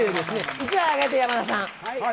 １枚あげて、山田さん。